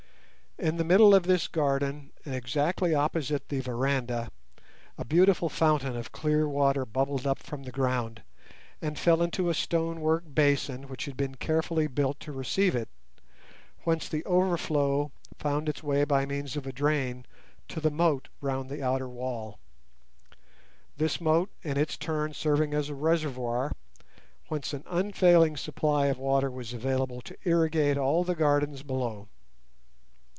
In the middle of this garden, and exactly opposite the veranda, a beautiful fountain of clear water bubbled up from the ground, and fell into a stone work basin which had been carefully built to receive it, whence the overflow found its way by means of a drain to the moat round the outer wall, this moat in its turn serving as a reservoir, whence an unfailing supply of water was available to irrigate all the gardens below.